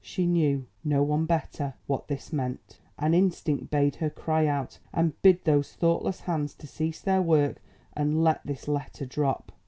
She knew no one better what this meant, and instinct bade her cry out and bid those thoughtless hands to cease their work and let this letter drop.